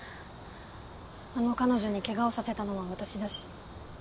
あの彼女に怪我をさせたのは私だし。